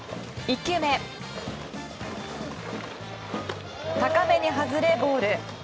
１球目、高めに外れボール。